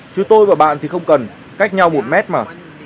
chứ tôi và bạn thì không cần cách nhau một mét mà